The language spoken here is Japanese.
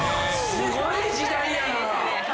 すごい時代やな。